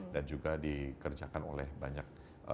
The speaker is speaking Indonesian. dan juga dikerjakan oleh banyak